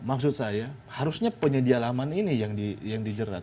maksud saya harusnya penyedia laman ini yang dijerat